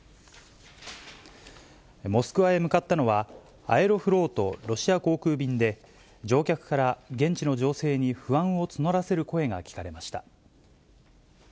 モスクワへ向かったのは、アエロフロート・ロシア航空便で、乗客から現地の情勢に不安を募らせる声が聞かれました。